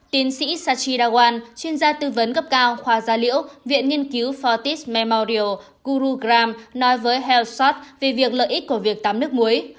tiến sĩ sachi dawan chuyên gia tư vấn cấp cao khoa gia liễu viện nhiên cứu fortis memorial gurugram nói với healthshot về việc lợi ích của việc tắm nước muối